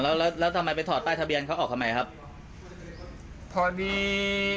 แล้วแล้วแล้วแล้วทำไมไปถอดใต้ทะเบียนเขาออกทำไมครับพอดี